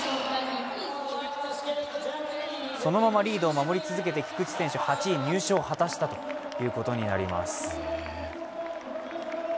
そのままリードを守り続けて菊池選手、８位入賞を果たしたということになります。